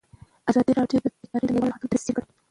ازادي راډیو د بیکاري د نړیوالو نهادونو دریځ شریک کړی.